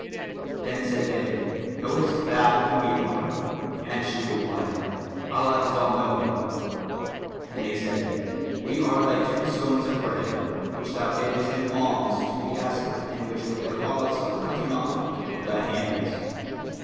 Then said they, "Knowest thou who we are?"; and she replied, "Allah is all knowing;"[FN#412] and they said, "We are thy two Scones of Bread, which thou gayest in alms to the asker and which were the cause of the cutting off of thy hands.